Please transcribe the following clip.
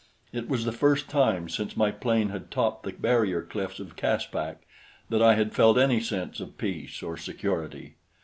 It was the first time since my plane had topped the barrier cliffs of Caspak that I had felt any sense of peace or security.